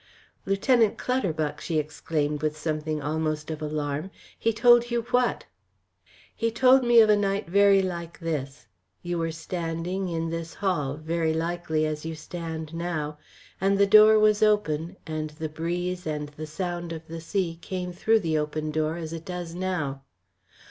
"Lieutenant Clutterbuck!" she exclaimed, with something almost of alarm. "He told you what?" "He told me of a night very like this. You were standing in this hall, very likely as you stand now, and the door was open and the breeze and the sound of the sea came through the open door as it does now.